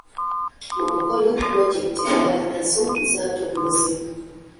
Mu mukolo, pulojekiti endala nazo zaatongozebwa.